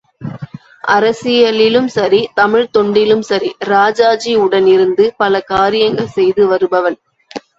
அரசியலிலும் சரி தமிழ்த் தொண்டிலும் சரி ராஜாஜி உடன் இருந்து பல காரியங்கள் செய்து வருபவன்.